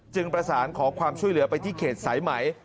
ประสานขอความช่วยเหลือไปที่เขตสายไหม